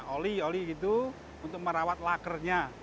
oli oli gitu untuk merawat lakernya